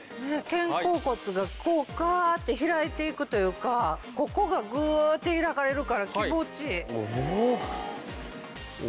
肩甲骨がこうガーッて開いていくというかここがグーッて開かれるから気持ちいい。